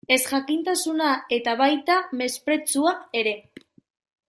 Ezjakintasuna, eta baita mespretxua ere.